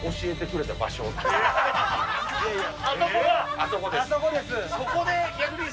あそこです。